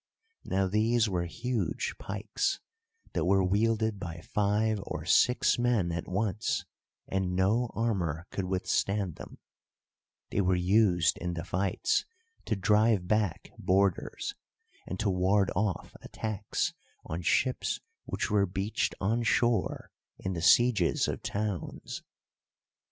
Now these were huge pikes, that were wielded by five or six men at once, and no armour could withstand them; they were used in the fights to drive back boarders, and to ward off attacks on ships which were beached on shore in the sieges of towns.